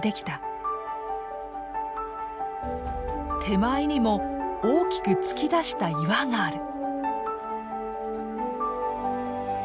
手前にも大きく突き出した岩がある。